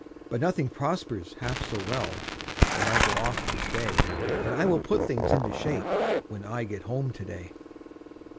But nothing prospers half so well when I go off to stay, And I will put things into shape, when I get home to day.